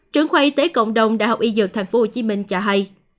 trưởng khoa y tế cộng đồng đại học y dược tp hcm cho hay